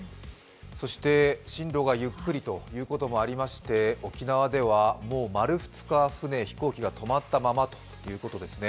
そして、進度がゆっくりということもありまして、沖縄では丸２日船、飛行機が止まったままということですね。